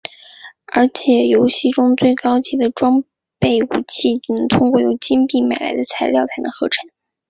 而且游戏中最高级的装备武器只能通过由金币买来的材料才能合成。